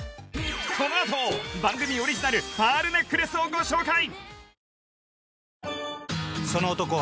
このあと番組オリジナルパールネックレスをご紹介